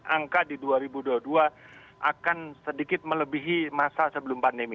angka di dua ribu dua puluh dua akan sedikit melebihi masa sebelum pandemi